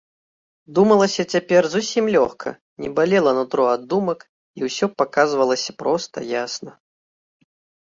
Думалася цяпер зусім лёгка, не балела нутро ад думак, і ўсё паказвалася проста, ясна.